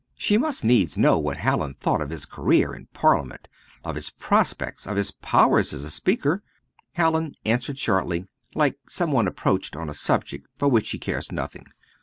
She must needs know what Hallin thought of his career in Parliament, of his prospects, of his powers as a speaker. Hallin answered shortly, like some one approached on a subject for which he cares nothing.